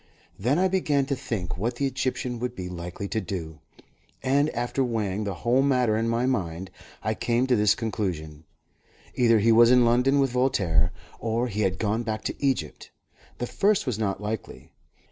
Then I began to think what the Egyptian would be likely to do, and after weighing the whole matter in my mind I came to this conclusion: either he was in London with Voltaire, or he had gone back to Egypt. The first was not likely.